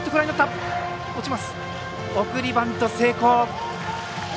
送りバント成功。